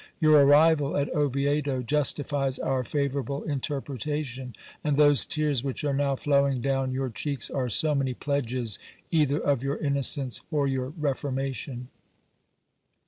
Your arrival at Oviedo justifies our favourable interpretation, and those tears which are now flowing down your cheeks, are so many pledges either of your innocence or your reformation.